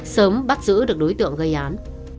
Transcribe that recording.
sớm bắt giữ được đối tượng gây án